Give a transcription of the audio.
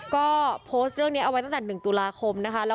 ก็โพสต์เรื่องนี้เอาไว้ตั้งแต่๑ตุลาคมนะคะ